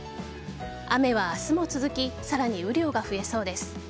雨は明日も続きさらに雨量が増えそうです。